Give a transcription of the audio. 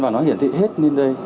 và nó hiển thị hết lên đây